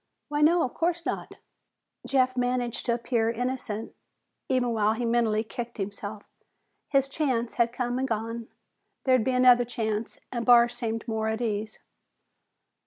"Why, no, of course not." Jeff managed to appear innocent, even while he mentally kicked himself. His chance had come and gone. There'd be another chance and Barr seemed more at ease.